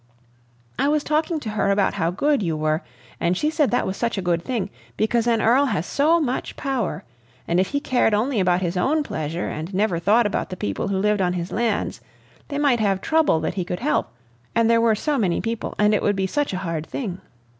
I was talking to her about how good you were, and she said that was such a good thing, because an earl had so much power, and if he cared only about his own pleasure and never thought about the people who lived on his lands, they might have trouble that he could help and there were so many people, and it would be such a hard thing.